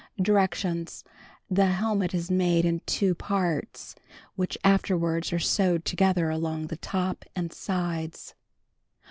Directions : The Helmet is made in 2 parts, which afterwards are sewed together along the top and sides.